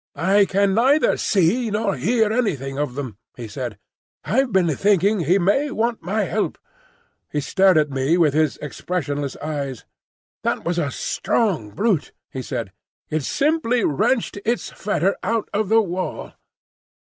"I can neither see nor hear anything of him," he said. "I've been thinking he may want my help." He stared at me with his expressionless eyes. "That was a strong brute," he said. "It simply wrenched its fetter out of the wall."